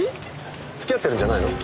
付き合ってるんじゃないの？